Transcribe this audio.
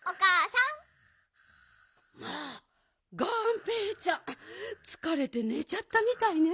まあがんぺーちゃんつかれてねちゃったみたいね。